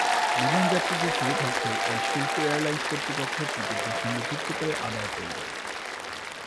বিমানযাত্রীদের সুবিধার্থে এই শুল্ক এয়ারলাইনস কর্তৃপক্ষ টিকিটের সঙ্গে যুক্ত করে আদায় করবে।